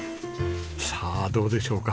さあどうでしょうか？